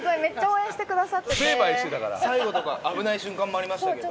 最後とか危ない瞬間もありましたけど。